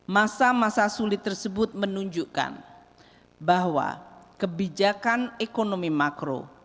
masa masa sulit tersebut menunjukkan bahwa kebijakan ekonomi makro